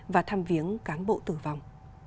và tham viếng cán bộ tử vong